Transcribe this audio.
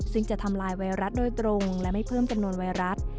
ซึ่งจะทำลายไวรัสโดยตรงและไม่เพิ่มจำนวนไวรัส